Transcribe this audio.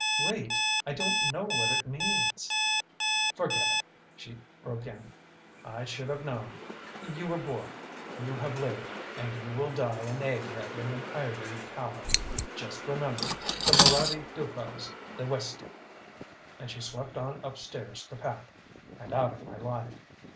"Wait! I don't know what it means " "Forget it," she broke in. "I should have known. You were born, you have lived, and you will die an egghead in an ivory tower. Just remember the Moraddy dufels the Wistick!" And she swept on upstairs to pack. And out of my life.